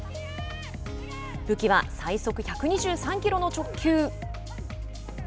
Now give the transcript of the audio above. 武器は、最速１２３キロの直球。